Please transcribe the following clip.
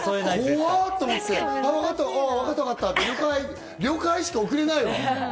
怖っ！と思って、わかったわかった、「了解」しか送れないわ。